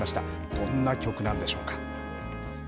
どんな曲なんでしょうか。